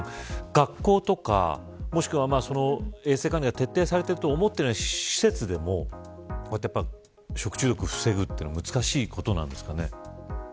学校とかもしくは、衛生管理が徹底されていると思った施設でもこうやって食中毒を防ぐのが難しいことなんですかね。